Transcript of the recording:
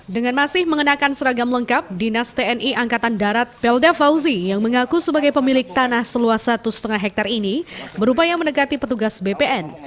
dengan masih mengenakan seragam lengkap dinas tni angkatan darat pelda fauzi yang mengaku sebagai pemilik tanah seluas satu lima hektare ini berupaya mendekati petugas bpn